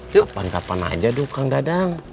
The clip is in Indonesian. kapan kapan aja tuh kang dadang